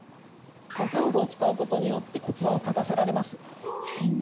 このタオルを使うことによって骨盤を立たせられます。